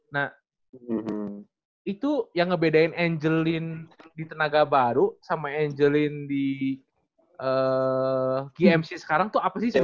nah itu yang ngebedain angelin di tenaga baru sama angelin di gmc sekarang tuh apa sih